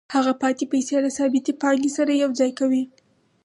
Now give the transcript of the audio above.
هغه پاتې پیسې له ثابتې پانګې سره یوځای کوي